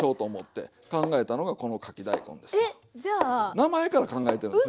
名前から考えてるんです。